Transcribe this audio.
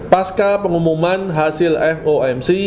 pasca pengumuman hasil fomc